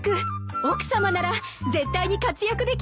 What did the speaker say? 奥さまなら絶対に活躍できると思うんです。